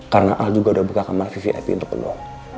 karena al juga udah buka kamar vvip untuk lo